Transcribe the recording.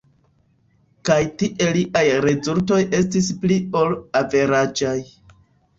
Kaj tie liaj rezultoj estis pli ol averaĝaj.